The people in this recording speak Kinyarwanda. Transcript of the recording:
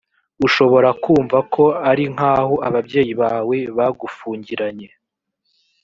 ushobora kumva ko ari nk aho ababyeyi bawe bagufungiranye